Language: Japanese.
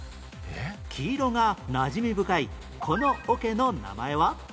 黄色がなじみ深いこの桶の名前は？